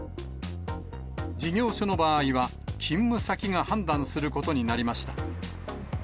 事業所の場合は、勤務先が判断することになりました。